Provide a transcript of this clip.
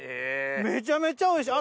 めちゃめちゃおいしい！